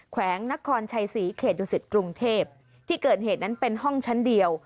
แขวงนครชัยศรีเขตดุสิตกรุงเทพที่เกิดเหตุนั้นเป็นห้องชั้นเดียว